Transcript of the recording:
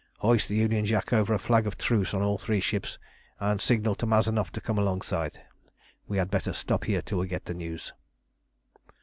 Hoist the Union Jack over a flag of truce on all three ships, and signal to Mazanoff to come alongside. We had better stop here till we get the news."